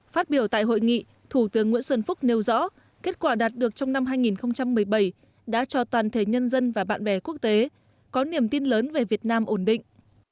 phát biểu tại hội nghị thủ tướng nguyễn xuân phúc nêu rõ kết quả đạt được trong năm hai nghìn một mươi bảy đã cho toàn thể nhân dân và bạn bè quốc tế có niềm tin lớn về việt nam ổn định